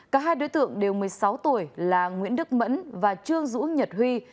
cả hai đối tượng đều một mươi sáu tuổi là nguyễn đức mẫn và trương dũ nhật huy